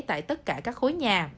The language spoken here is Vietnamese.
tại tất cả các khối nhà